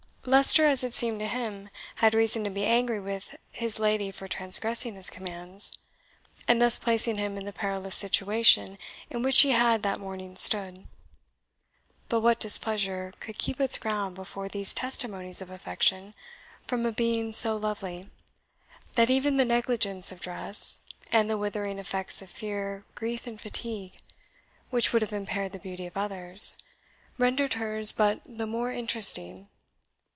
Leicester, as it seemed to him, had reason to be angry with his lady for transgressing his commands, and thus placing him in the perilous situation in which he had that morning stood. But what displeasure could keep its ground before these testimonies of affection from a being so lovely, that even the negligence of dress, and the withering effects of fear, grief, and fatigue, which would have impaired the beauty of others, rendered hers but the more interesting.